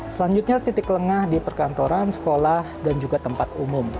selanjutnya titik lengah di perkantoran sekolah dan juga tempat umum